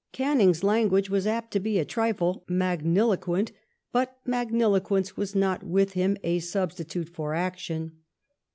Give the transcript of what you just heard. Canning's language was apt to be a trifle magniloquent; but magniloquence was not with him a substitute for action.